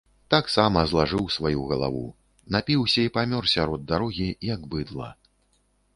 Таксама злажыў сваю галаву, напіўся і памёр сярод дарогі, як быдла.